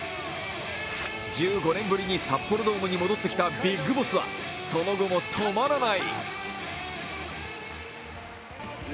１５年ぶりに札幌ドームに戻ってきたビッグボスはその後も止まらない。